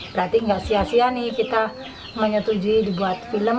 berarti nggak sia sia nih kita menyetujui dibuat film